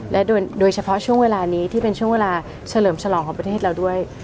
และโดยเฉพาะช่วงเวลานี้ที่เป็นช่วงเวลาเฉลิมฉลองของประเทศเราด้วย